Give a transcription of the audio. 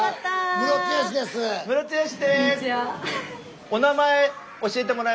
ムロツヨシです。